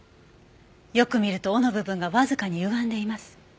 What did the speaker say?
よく見ると尾の部分がわずかにゆがんでいます。